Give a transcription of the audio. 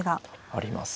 あります。